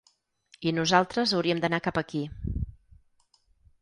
I nosaltres hauríem d’anar cap aquí.